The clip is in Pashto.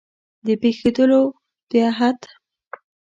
د پېښېدلو د احت